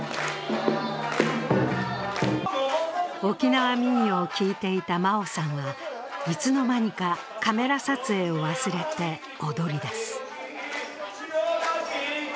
沖縄民謡を聞いていた真生さんが、いつの間にかカメラ撮影を忘れて、踊りだす。